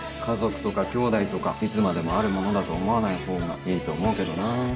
家族とか兄弟とかいつまでもあるものだと思わないほうがいいと思うけどな。